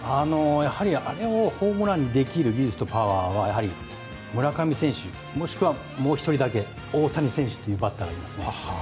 あれをホームランにできる技術とパワーはやはり、村上選手もしくはもう１人だけ大谷選手というバッターがいますね。